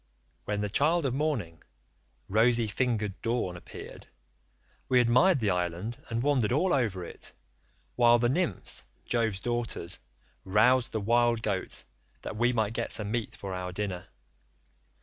"When the child of morning, rosy fingered Dawn appeared, we admired the island and wandered all over it, while the nymphs Jove's daughters roused the wild goats that we might get some meat for our dinner.